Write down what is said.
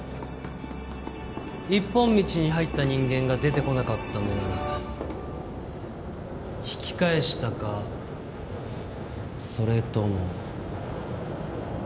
一本道に入った人間が出てこなかったのなら引き返したかそれとも。